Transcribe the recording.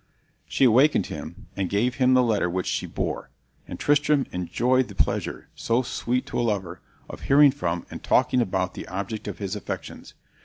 She awakened him, and gave him the letter which she bore, and Tristram enjoyed the pleasure, so sweet to a lover, of hearing from and talking about the object of his affections.